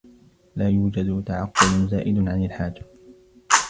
لا يوجد تعقّل زائد عن الحاجة.